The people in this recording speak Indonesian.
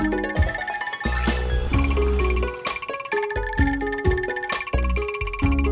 masas banyak bitaren